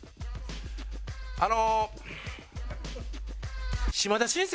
あの。